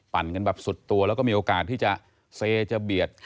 กันแบบสุดตัวแล้วก็มีโอกาสที่จะเซจะเบียด